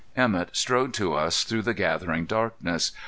Emett strode to us through the gathering darkness.